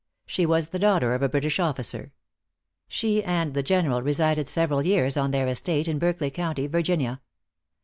She was the daughter of a British officer. She and the General resided several years on their estate in Berkeley County, Virginia.